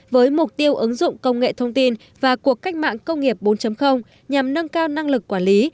với mục tiêu ứng dụng công nghệ thông tin và cuộc cách mạng công nghiệp bốn nhằm nâng cao năng lực quản lý